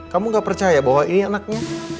kamu gak percaya bahwa ini anaknya